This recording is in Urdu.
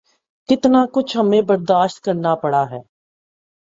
کتنا کچھ ہمیں برداشت کرنا پڑا ہے۔